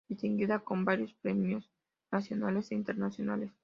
Distinguida con varios premios nacionales e internacionales.